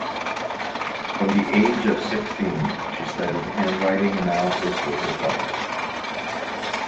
From the age of sixteen she studied handwriting analysis with her father.